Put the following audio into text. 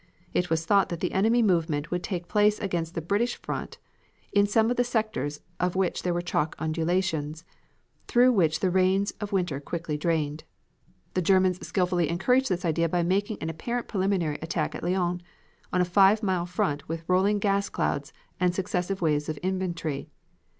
It was thought that the enemy movement would take place against the British front in some of the sectors of which there were chalk undulations, through which the rains of winter quickly drained. The Germans skilfully encouraged this idea by making an apparent preliminary attack at Lions, on a five mile front with rolling gas clouds and successive waves of infantry.